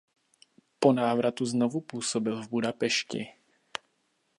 Po návratu znovu působil v Budapešti.